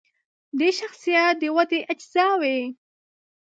د شخصیت د ودې اجزاوې